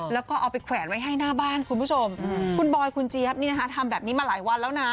แล้วก็เอาไปแขวนไว้ให้หน้าบ้านคุณผู้ชมคุณบอยคุณเจี๊ยบนี่นะคะทำแบบนี้มาหลายวันแล้วนะ